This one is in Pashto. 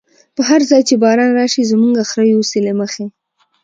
په هر ځای چی باران راشی، زمونږ خره یوسی له مخی